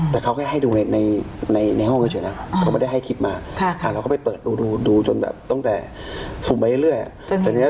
แต่เขาแค่ให้ดูในห้องเฉยนะครับเขาไม่ได้ให้คลิปมาเราก็ไปเปิดดูดูจนแบบตั้งแต่ซุ่มไปเรื่อย